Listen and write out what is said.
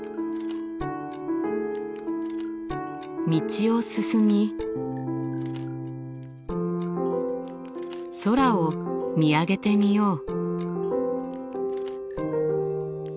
道を進み空を見上げてみよう。